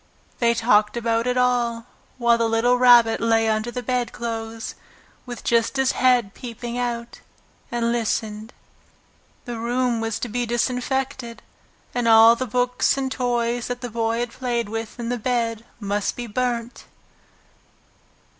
They talked about it all, while the little Rabbit lay under the bedclothes, with just his head peeping out, and listened. The room was to be disinfected, and all the books and toys that the Boy had played with in bed must be burnt.